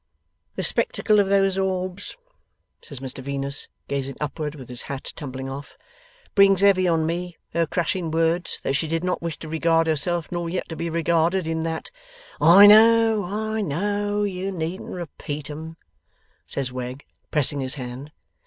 'The spectacle of those orbs,' says Mr Venus, gazing upward with his hat tumbling off; 'brings heavy on me her crushing words that she did not wish to regard herself nor yet to be regarded in that ' 'I know! I know! You needn't repeat 'em,' says Wegg, pressing his hand.